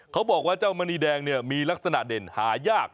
เขาบอกว่าเจ้ามณีแดงเนี่ยมีลักษณะเด่นหายาก